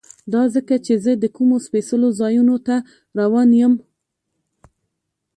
دا ځکه چې زه د کومو سپېڅلو ځایونو ته روان یم.